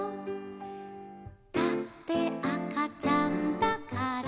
「だってあかちゃんだから」